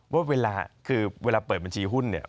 ว่าเวลาคือเวลาเปิดบัญชีหุ้นเนี่ย